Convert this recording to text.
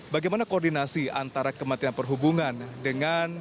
bagaimana koordinasi antara kementerian perhubungan dengan